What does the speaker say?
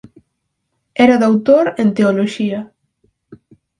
Era Doutor en Teoloxía.